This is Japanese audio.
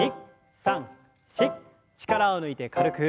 力を抜いて軽く。